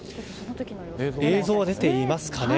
映像が出ていますかね。